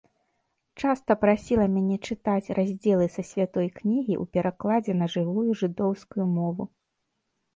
Часта прасіла мяне чытаць раздзелы са святой кнігі ў перакладзе на жывую жыдоўскую мову.